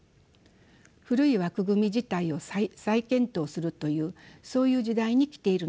古い枠組み自体を再検討するというそういう時代に来ているのだと思います。